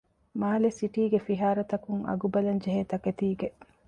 މާލެ ސިޓީގެ ފިހާރަތަކުން އަގުބަލަންޖެހޭ ތަކެތީގެ